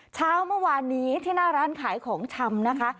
เช้าเมื่อวานนี้ที่หน้าร้านขายของชำนะคะ